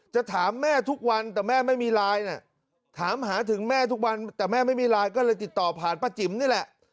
จะถามแม่ทุกวันแต่แม่ไม่มีไลน์ถามหาถึงแม่ทุกวันแต่แม่ไม่มีไลน์ก็เลยติดต่อผ่านป้าจิ๋มนี่แหละ